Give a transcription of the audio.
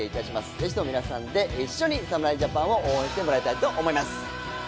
ぜひとも皆さん一緒に侍ジャパンを応援してもらいたいと思います。